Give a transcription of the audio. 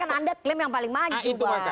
karena kan anda klaim yang paling maju